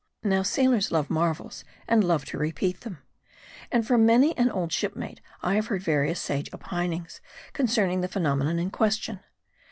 > Now, sailors love marvels, and love to repeat them. And from many an old shipmate I have heard various sage opin ings, concerning the phenomenon in question.